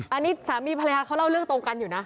อันนี้สามีภรรยาเขาเล่าเรื่องตรงกันอยู่นะ